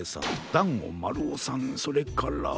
だんごまるおさんそれから。